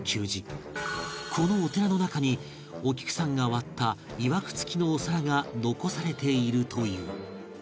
このお寺の中にお菊さんが割ったいわくつきのお皿が残されているという